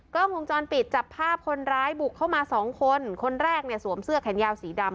กล้องวงจรปิดจับภาพคนร้ายบุกเข้ามาสองคนคนแรกเนี่ยสวมเสื้อแขนยาวสีดำ